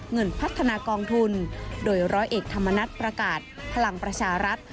เงินพัฒนากองทุนโดยร้อยเอกธรรมนัฐประกาศพลังประชารัฐ